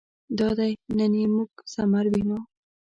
دادی نن یې موږ ثمر وینو.